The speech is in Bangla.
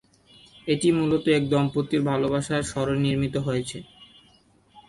এটি মূলত এক দম্পতির ভালোবাসার স্মরণে নির্মিত হয়েছে।